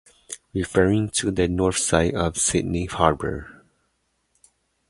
Referring to the north side of Sydney Harbour.